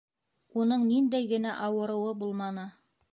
Уның ниндәй генә ауырыуы булманы!